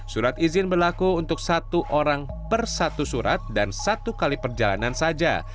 surat izin berlaku untuk satu orang per satu surat dan satu kali perjalanan saja